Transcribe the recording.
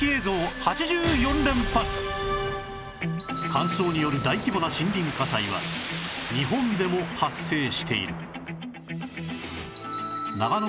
乾燥による大規模な森林火災は日本でも発生している